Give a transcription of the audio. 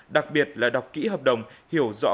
đặc biệt là đọc kỹ hợp đồng hiểu rõ